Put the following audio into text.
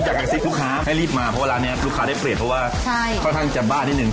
ใช้คำว่าเราไม่ห่วงวัตถุดิบไม่ว่าความจะขึ้นกระดับไหน